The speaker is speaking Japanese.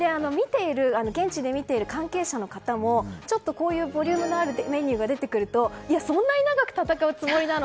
現地で見ている関係者の方もちょっとこういうボリュームのあるメニューが出てくると、そんなに長く戦うつもりなの？